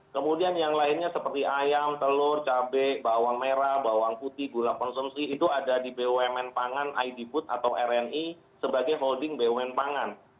kemudian yang lainnya seperti ayam telur cabai bawang merah bawang putih gula konsumsi itu ada di bumn pangan id boot atau rni sebagai holding bumn pangan